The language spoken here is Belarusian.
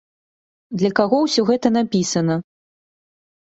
Для каго ўсё гэта напісана?